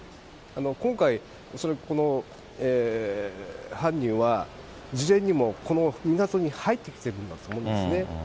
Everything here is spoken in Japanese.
今回恐らく、この犯人は、事前にもうこの港に入ってきてるんだと思いますね。